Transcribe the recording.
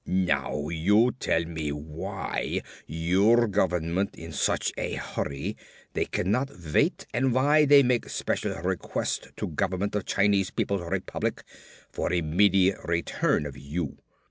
Now you tell to me why your government in such a hurry they can not wait and why they make special request to government of Chinese People's Republic for immediate return of you.